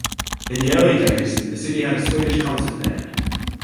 In the early days, the city had a Swedish concert band.